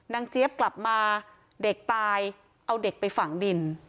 เจี๊ยบกลับมาเด็กตายเอาเด็กไปฝังดิน